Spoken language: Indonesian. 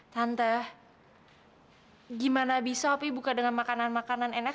tante gimana bisa opi buka dengan makanan makanan enak